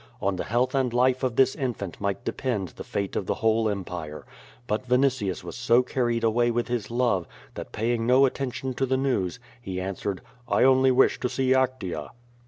On the health and life of this infant might depend the fate of the whole Em pire. But Yinitius was so carried away with his love, that, paying no attention to the news, he answered: "I only wish to see Actea."